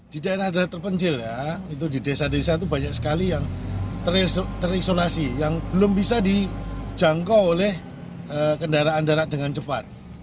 di daerah daerah terpencil ya itu di desa desa itu banyak sekali yang terisolasi yang belum bisa dijangkau oleh kendaraan darat dengan cepat